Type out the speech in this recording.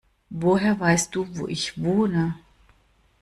Woher weißt du, wo ich wohne?